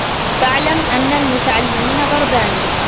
فَاعْلَمْ أَنَّ الْمُتَعَلِّمِينَ ضَرْبَانِ